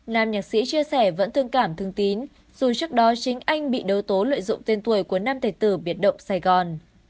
nam nhạc sĩ chia sẻ vẫn thương cảm thương tín dù trước đó chính anh bị đấu tố lợi dụng tên tuổi của nam tài tử biệt động sài gòn